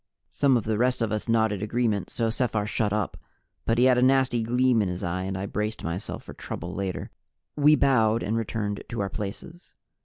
Some of the rest of us nodded agreement, so Sephar shut up. But he had a nasty gleam in his eye and I braced myself for trouble later. We bowed and returned to our places.